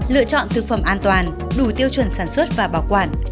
lựa chọn thực phẩm an toàn đủ tiêu chuẩn sản xuất và bảo quản